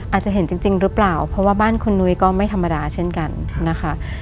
อาจจะเห็นจริงหรือเปล่าเพราะว่าบ้านคุณนุ้ยก็ไม่ธรรมดาเช่นกันนะคะ